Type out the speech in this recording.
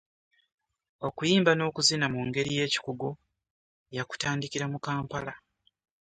Okuyimba n’okuzina mu ngeri y’ekikugu yakutandikira mu Kampala.